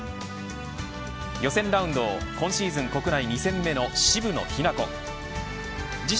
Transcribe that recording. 予選ラウンドを今シーズン国内に攻めの渋野日向子自身